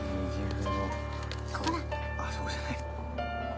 あそこじゃない。